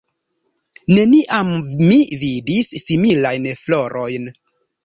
Neniam mi vidis similajn florojn.